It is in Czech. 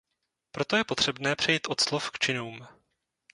Proto je potřebné přejít od slov k činům.